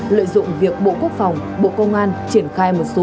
lợi dụng việc bộ quốc phòng bộ công an triển khai một số